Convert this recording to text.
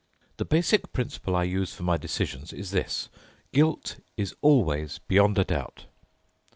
The basic principle I use for my decisions is this: Guilt is always beyond a doubt.